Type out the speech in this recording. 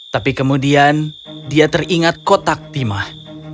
tapi kemudian dia teringat kotak timah